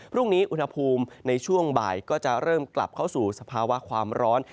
พรุ่งนี้อุณหภูมิในช่วงบ่ายก็จะเริ่มกลับเข้าสู่สภาวะความร้อน